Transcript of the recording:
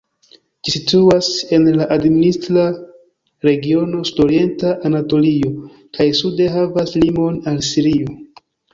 Ĝi situas en la administra regiono Sudorienta Anatolio, kaj sude havas limon al Sirio.